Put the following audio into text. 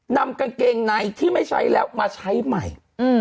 นำกางเกงในที่ไม่ใช้แล้วมาใช้ใหม่